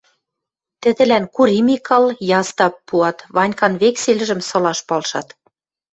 тӹдӹлӓн Кури Микал, Ястап пуат, Ванькан вексельжӹм сылаш палшат.